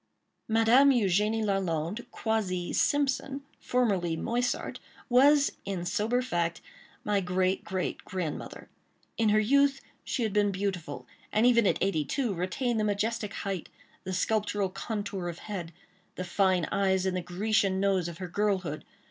Madame Eugénie Lalande, quasi Simpson—formerly Moissart—was, in sober fact, my great, great, grandmother. In her youth she had been beautiful, and even at eighty two, retained the majestic height, the sculptural contour of head, the fine eyes and the Grecian nose of her girlhood.